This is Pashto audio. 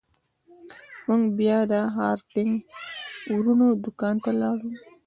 موږ بیا د هارډینګ ورونو دکان ته لاړو.